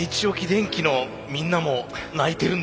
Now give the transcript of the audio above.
電機のみんなも泣いてるんですよ。